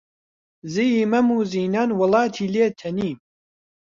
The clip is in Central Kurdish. زیی مەم و زینان وڵاتی لێ تەنیم